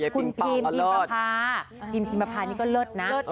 คุณพีมพีมภาพาคุณพีมพีมภาพานี่ก็เลิศนะเลิศ